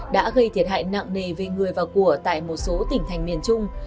đã gây thiệt hại nặng nề về người và của tại một số tỉnh thành miền trung